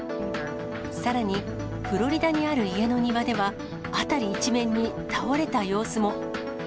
さらにフロリダにある家の庭では、辺り一面に倒れた様子も。